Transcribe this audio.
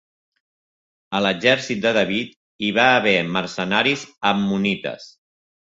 A l'exèrcit de David hi va haver mercenaris ammonites.